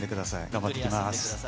頑張ってきます。